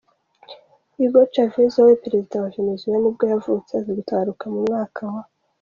Hugo Chavez, wabaye perezida wa Venezuela nibwo yavutse aza gutabaruka mu mwaka w’.